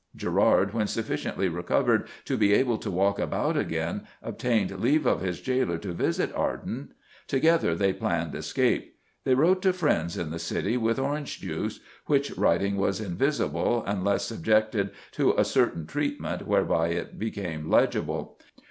Gerard, when sufficiently recovered to be able to walk about again, obtained leave of his jailor to visit Arden. Together they planned escape. They wrote to friends in the City with orange juice, which writing was invisible unless subjected to a certain treatment whereby it became legible.